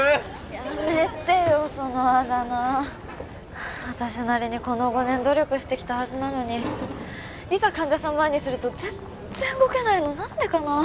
やめてよそのあだ名私なりにこの５年努力してきたはずなのにいざ患者さん前にすると全然動けないの何でかな？